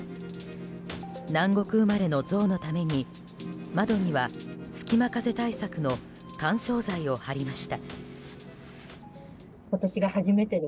南国生まれのゾウのために窓には、隙間風対策の緩衝材を貼りました。